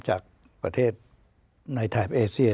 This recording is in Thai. จากประเทศในแถบเอเซีย